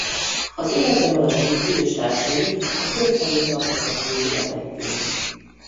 Az életben maradt Ripley és társai a Föld felé tartottak végül a Bettyn.